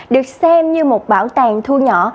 được xem như một bảo tàng thu nhỏ